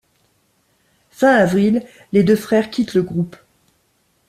Fin avril les deux frères quittent le groupe.